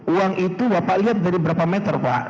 uang itu bapak lihat jadi berapa meter pak